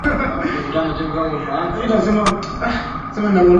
yakitaraji kuchukua jukumu la kufanya